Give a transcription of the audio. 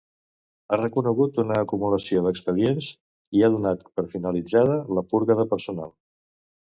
Ha reconegut una acumulació d'expedients i ha donat per finalitzada la purga de personal.